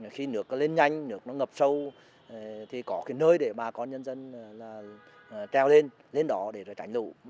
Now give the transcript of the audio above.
khi nước nó lên nhanh nước nó ngập sâu thì có cái nơi để bà con nhân dân là treo lên lên đó để tránh lũ